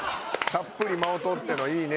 たっぷり間を取っての「いいね」。